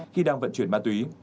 khi đang vận chuyển ma túy